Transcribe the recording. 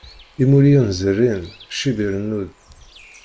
Imulliyen zerrin, ccib irennu-d.